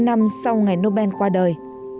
năm năm sau ngày nobel qua đời